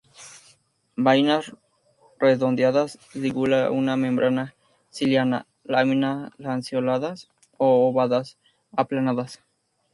Vainas redondeadas; lígula una membrana ciliada; láminas lanceoladas a ovadas, aplanadas.